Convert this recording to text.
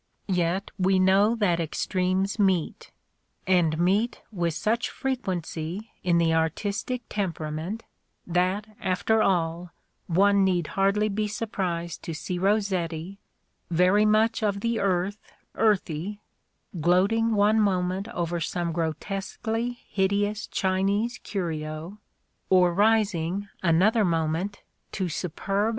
Yet we know that extremes meet : and meet with such fre quency, in the artistic temperament, that, after all, one need hardly be surprised to see Rossetti, very much of the earth earthy, gloating one moment over some grotesquely hideous Chinese curio, — or rising, another moment, to superb A DAY WITH ROSSETTI.